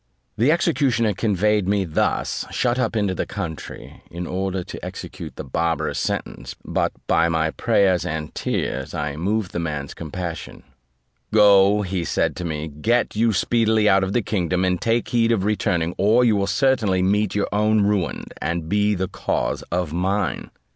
The executioner conveyed me thus shut up into the country, in order to execute the barbarous sentence; but by my prayers and tears, I moved the man's compassion: "Go," said he to me, "get you speedily out of the kingdom, and take heed of returning, or you will certainly meet your own ruin, and be the cause of mine."